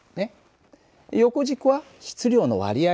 横軸は質量の割合だよ。